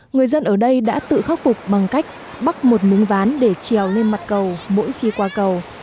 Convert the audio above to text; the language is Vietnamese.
người dân ở đây đã tự khắc phục bằng cách bắt một múng ván để treo lên mặt cầu mỗi khi qua cầu